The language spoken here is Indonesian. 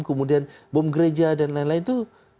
kemudian bom gereja dan lain lain itu